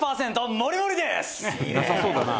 なさそうだな。